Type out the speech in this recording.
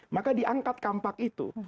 maka diangkat kampak itu